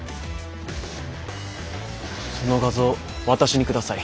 その画像私に下さい。